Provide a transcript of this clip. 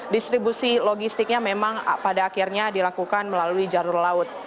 distribusi logistiknya memang pada akhirnya dilakukan melalui jalur laut